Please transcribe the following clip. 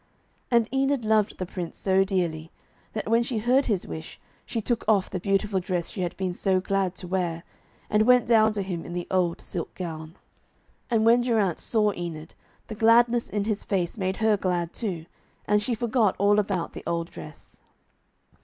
And Enid loved the Prince so dearly, that when she heard his wish, she took off the beautiful dress she had been so glad to wear, and went down to him in the old silk gown. And when Geraint saw Enid, the gladness in his face made her glad too, and she forgot all about the old dress.